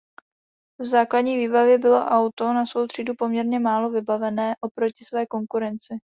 V základní výbavě bylo auto na svou třídu poměrně málo vybavené oproti své konkurenci.